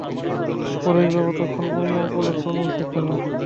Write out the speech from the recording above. পরেশবাবু তখন কর্ম উপলক্ষে অনুপস্থিত ছিলেন।